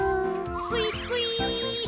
スイスイ。